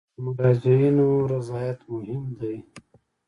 د مراجعینو رضایت مهم دی